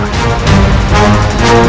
aku akan menang